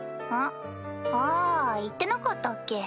あ言ってなかったっけ？